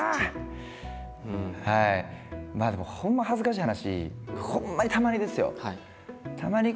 まあでもほんま恥ずかしい話ほんまにたまにですよ